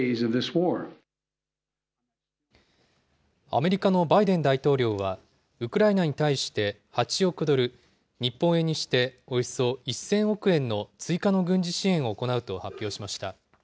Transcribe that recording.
アメリカのバイデン大統領はウクライナに対して８億ドル、日本円にしておよそ１０００億円の追加の軍事支援を行うと発表しました。